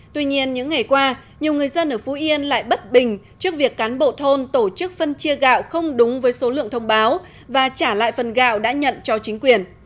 tuy nhiên những ngày qua nhiều người dân ở phú yên lại bất bình trước việc cán bộ thôn tổ chức phân chia gạo không đúng với số lượng thông báo và trả lại phần gạo đã nhận cho chính quyền